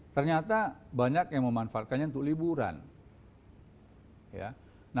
ternyata banyak yang memanfaatkannya untuk liburan